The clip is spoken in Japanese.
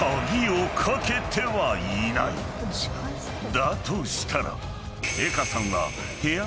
［だとしたら］